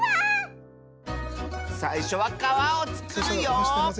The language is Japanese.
さいしょはかわをつくるよ！